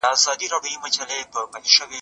د رواني درملنې پرته حالت ممکن زیاتېږي.